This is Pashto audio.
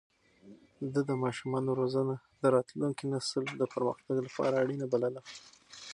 ده د ماشومانو روزنه د راتلونکي نسل د پرمختګ لپاره اړينه بلله.